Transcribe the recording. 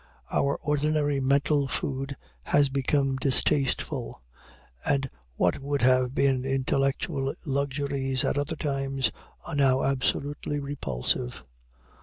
Our ordinary mental food has become distasteful, and what would have been intellectual luxuries at other times, are now absolutely repulsive.